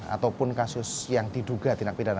ataupun kasus yang diduga tindak pidana